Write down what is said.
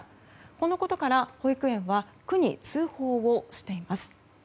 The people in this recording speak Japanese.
このことから保育園は区に通報をしています。